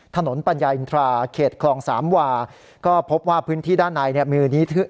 ปัญญาอินทราเขตคลองสามวาก็พบว่าพื้นที่ด้านในเนี่ยมี